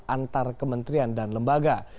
antar kementerian dan lembaga